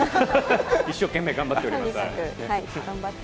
一生懸命頑張っております。